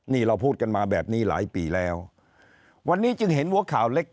นี่เราพูดกันมาแบบนี้หลายปีแล้ววันนี้จึงเห็นหัวข่าวเล็ก